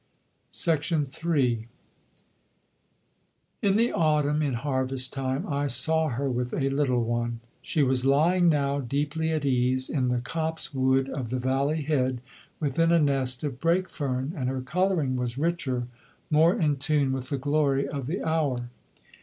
III In the autumn, in harvest time, I saw her with a little one. She was lying now, deeply at ease, in the copse wood of the valley head, within a nest of brake fern, and her colouring was richer, more in tune with the glory of the hour.